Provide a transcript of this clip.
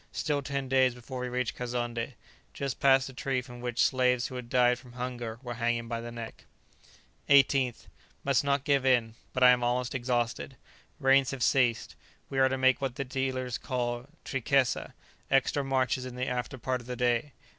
Still ten days before we reach Kazonndé. Just passed a tree from which slaves who had died from hunger were hanging by the neck. 18th. Must not give in, but I am almost exhausted. Rains have ceased. We are to make what the dealers call trikesa, extra marches in the after part of the day.